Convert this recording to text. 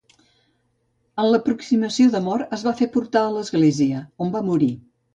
En l'aproximació de mort es va fer portar a l'església, on va morir.